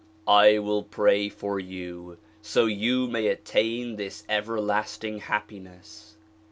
I will pray for you so you may attain this everlasting happiness.